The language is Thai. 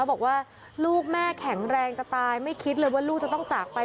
บอกว่าลูกแม่แข็งแรงจะตายไม่คิดเลยว่าลูกจะต้องจากไป